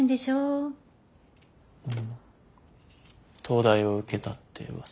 東大を受けたって噂。